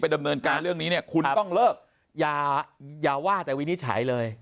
ดำเนินการเรื่องนี้เนี่ยคุณต้องเลิกอย่าว่าแต่วินิจฉัยเลย